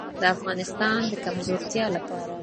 د افغانستان د کمزورتیا لپاره.